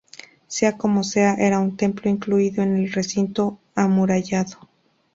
Sea como sea era un templo incluido en el recinto amurallado.